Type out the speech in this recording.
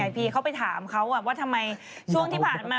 พี่เขาไปถามเขาว่าทำไมช่วงที่ผ่านมา